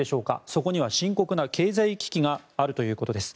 そこには深刻な経済危機があるということです。